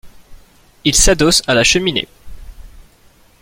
Il s’adosse à la cheminée.